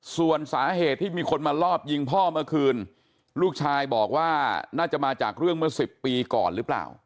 ส่วนสาเหตุที่มีคนมาลอบยิงพ่อเมื่อคืนลูกชายบอกว่าน่าจะมาจากเรื่องเมื่อ๑๐ปีก่อนหรือเปล่า